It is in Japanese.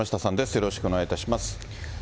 よろしくお願いします。